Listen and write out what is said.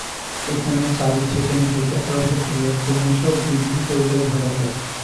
এখানে চারি সেকেণ্ড হইতে আরম্ভ করিয়া ক্রমশ বৃদ্ধি করিলেই ভাল হয়।